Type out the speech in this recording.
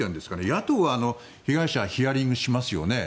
野党は被害者をヒアリングしますよね。